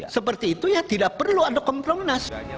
seperti itu ya tidak perlu ada kompromis